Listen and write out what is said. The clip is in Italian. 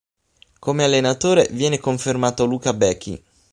Come allenatore viene confermato Luca Bechi.